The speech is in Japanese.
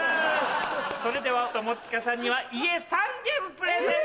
それでは友近さんには家３軒プレゼント。